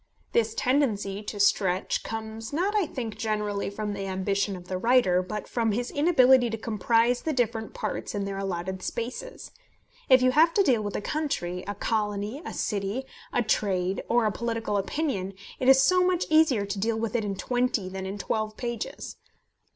This tendency to stretch comes not, I think, generally from the ambition of the writer, but from his inability to comprise the different parts in their allotted spaces. If you have to deal with a country, a colony, a city, a trade, or a political opinion, it is so much easier to deal with it in twenty than in twelve pages!